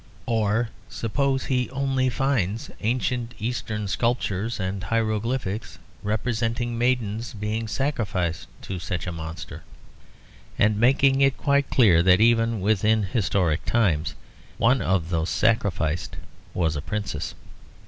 Or suppose he only finds ancient Eastern sculptures and hieroglyphics representing maidens, being sacrificed to such a monster, and making it quite clear that even within historic times one of those sacrificed was a princess.